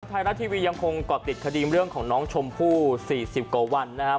ไทยรัฐทีวียังคงเกาะติดคดีเรื่องของน้องชมพู่๔๐กว่าวันนะครับ